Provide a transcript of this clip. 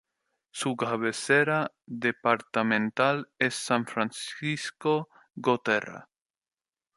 Su cabecera departamental es San Francisco Gotera.